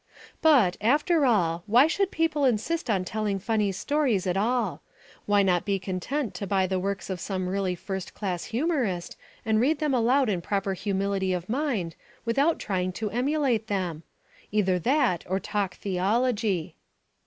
But, after all, why should people insist on telling funny stories at all? Why not be content to buy the works of some really first class humourist and read them aloud in proper humility of mind without trying to emulate them? Either that or talk theology.